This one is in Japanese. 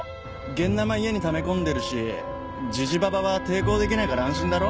現ナマ家にため込んでるしジジババは抵抗できないから安心だろ？